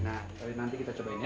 nah nanti kita cobain ya